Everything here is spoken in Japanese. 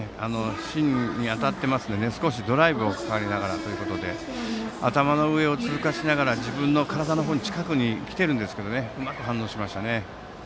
芯に当たっていますので少しドライブがかかりながらということで頭の上を通過しながら自分の体の近くに来ているんですけどうまく反応しましたね